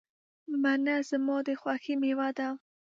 مڼه زما د خوښې مېوه ده.